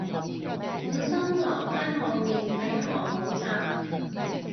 本身樓梯後面第一行好窄